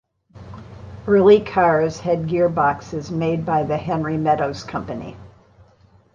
Early cars had gearboxes made by the Henry Meadows company.